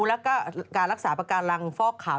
และการรักษาปากอารังฝ่อกขาว